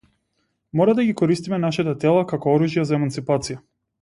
Мора да ги користиме нашите тела како оружје за еманципација.